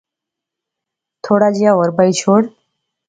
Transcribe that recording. تھوڑا جیہا ہور بائی شوڑا